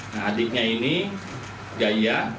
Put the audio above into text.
nah adiknya ini gaya